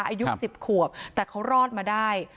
อายุ๑๐ขวบแต่เขารอดมาได้